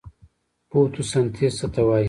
فوتوسنتیز څه ته وایي؟